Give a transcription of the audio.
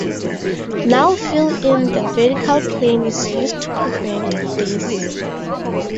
Null fill in the vertical plane is used to prevent this.